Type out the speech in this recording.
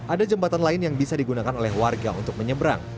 ada jembatan lain yang bisa digunakan oleh warga untuk menyeberang